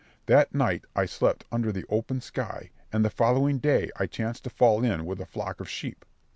That night I slept under the open sky, and the following day I chanced to fall in with a flock of sheep.